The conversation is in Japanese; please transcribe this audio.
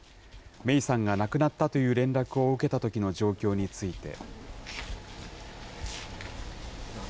芽生さんが亡くなったという連絡を受けたときの状況について。